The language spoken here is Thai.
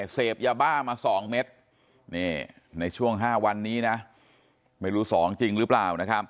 เสพยาบ้ามาสองแม็ตรในช่วง๕วันนี้ไม่รู้สองจริงหรือเปล่า